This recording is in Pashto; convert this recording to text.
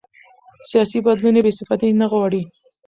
سیاسي بدلون بې ثباتي نه غواړي